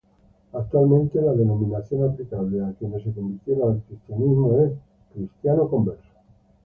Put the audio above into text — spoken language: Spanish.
Actualmente, la denominación aplicable a quienes se convierten al Cristianismo es cristiano converso.